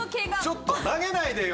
ちょっと投げないでよ！